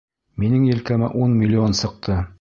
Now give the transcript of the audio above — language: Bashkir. Минең елкәмә ун миллион сыҡты.